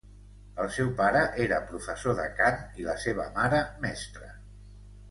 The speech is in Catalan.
El seu pare era professor de cant i la seva mare mestra.